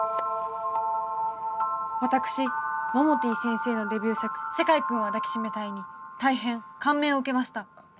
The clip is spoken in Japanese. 私モモティ先生のデビュー作「世界くんは抱きしめたい」に大変感銘を受けました。